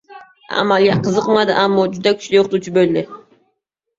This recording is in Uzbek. Amalga qiziqmadi, ammo juda kuchli oʻqituvchi boʻldi.